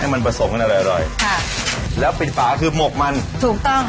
มันผสมกันอร่อยอร่อยค่ะแล้วปิดฝาคือหมกมันถูกต้อง